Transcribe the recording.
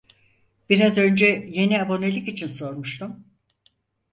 Biraz önce yeni abonelik için sormuştum